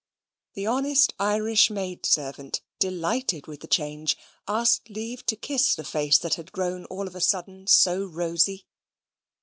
The honest Irish maid servant, delighted with the change, asked leave to kiss the face that had grown all of a sudden so rosy.